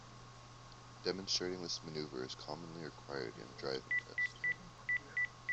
Demonstrating this manoeuvre is commonly required in a driving test.